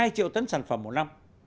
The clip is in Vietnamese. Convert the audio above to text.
hai triệu tấn sản phẩm một năm